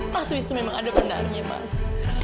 mas wisnu memang ada benarnya mas